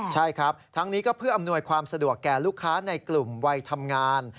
ใช่ครับทั้งนี้ก็เพื่ออำนวยความสะดวกแก่ลูกค้าในกลุ่มวัยทำงาน